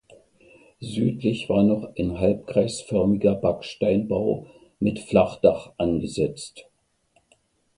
Südlich war noch ein halbkreisförmiger Backsteinbau mit Flachdach angesetzt.